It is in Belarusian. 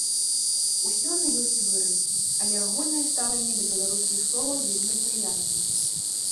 Усюды ёсць вырадкі, але агульнае стаўленне да беларускіх словаў вельмі прыязнае.